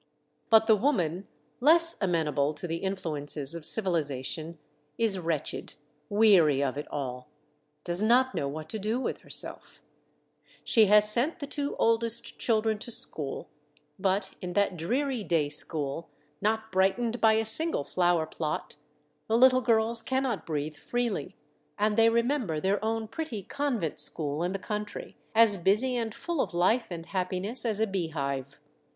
But the woman, less amenable to the influences of civiliza tion, is wretched, weary of it all, does not know what to do with herself She has sent the two oldest children to school ; but in that dreary day school, not brightened by a single flower plot, the little girls cannot breathe freely, and they remem ber their own pretty convent school in the country, as busy and full of life and happiness as a beehive.